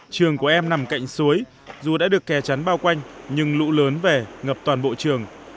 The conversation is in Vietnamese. trường của em nằm cạnh suối dù đã được kè chắn bao quanh nhưng lũ lớn về ngập toàn bộ trường